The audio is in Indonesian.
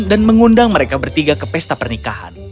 dan mengundang mereka bertiga ke pesta pernikahan